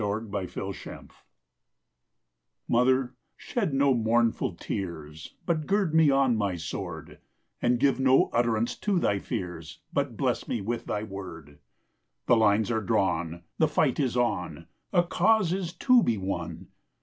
THE YOUNG WARRIOR Mother, shed no mournful tears, But gird me on my sword; And give no utterance to thy fears, But bless me with thy word. The lines are drawn! The fight is on! A cause is to be won!